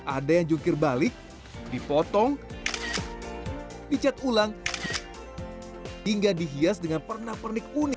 ada yang jungkir balik dipotong dicat ulang hingga dihias dengan pernak pernik unik